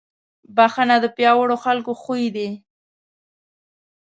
بښنه د پیاوړو خلکو خوی دی.